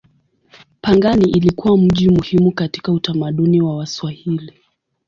Pangani ilikuwa mji muhimu katika utamaduni wa Waswahili.